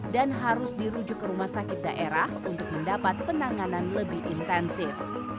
dan harus dirujuk ke rumah sakit daerah untuk mendapat penanganan lebih intensif